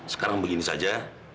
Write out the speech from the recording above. sekarang begini saja